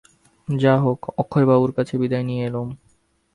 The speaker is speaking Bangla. যা হোক, অক্ষয়বাবুর কাছে বিদায় নিয়ে এলুম।